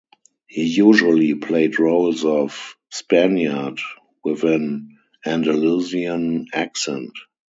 He usually played roles of Spaniard with an Andalusian accent.